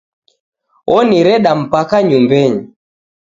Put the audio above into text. Onireda mpaka nyumbenyi